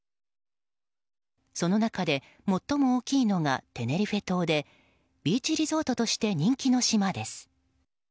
その中で最も大きいのがテネリフェ島でビーチリゾートとして人気の島です。